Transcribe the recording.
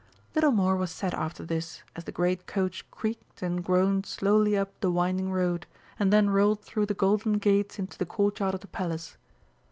Little more was said after this, as the great coach creaked and groaned slowly up the winding road, and then rolled through the golden gates into the courtyard of the Palace.